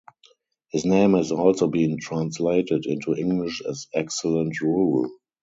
His name has also been translated into English as Excellent Rule.